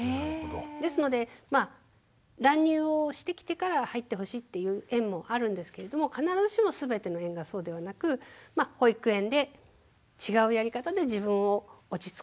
ですのでまあ断乳をしてきてから入ってほしいっていう園もあるんですけれども必ずしも全ての園がそうではなく保育園で違うやり方で自分を落ち着かせる。